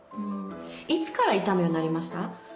いつから痛むようになりました？